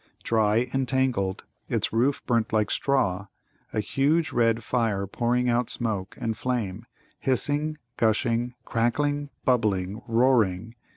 Dry and tangled, its roof burnt like straw a huge red fire pouring out smoke and flame, hissing, gushing, crackling, bubbling, roaring.